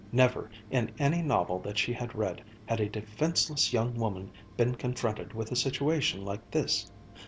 Never, in any novel that she had read, had a defenceless young woman been confronted with a situation like this.